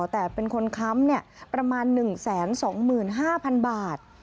แต่เป็นคนค้ำประมาณ๑๒๕๐๐๐บาท